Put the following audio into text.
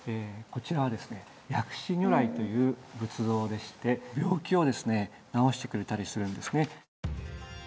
こちらはですね薬師如来という仏像でして病気をですね治してくれたりするんですね。